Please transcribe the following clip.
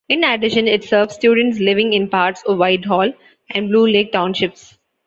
In addition it serves students living in parts of Whitehall and Blue Lake townships.